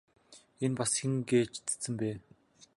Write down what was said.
Энэ бас хэн гээч цэцэн бэ?